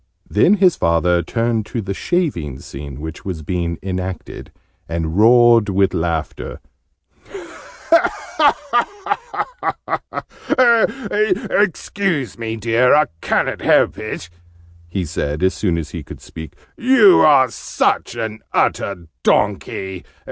'} Then his father turned to the 'shaving' scene which was being enacted, and roared with laughter. "Excuse me, dear, I ca'n't help it!" he said as soon as he could speak. "You are such an utter donkey!